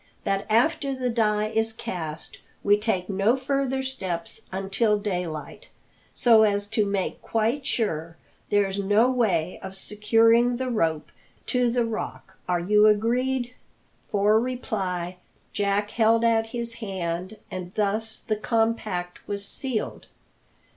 That after the die is cast we take no further steps until daylight, so as to make quite sure there's no way of securing the rope to the rock. Are you agreed?" For reply Jack held out his hand, and thus the compact was sealed.